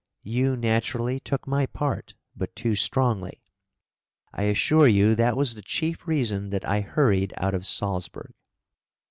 You naturally took my part, but too strongly; I assure you that was the chief reason that I hurried out of Salzburg."